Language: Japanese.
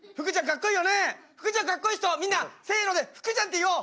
ふくちゃんかっこいい人みんなせのでふくちゃんって言おう。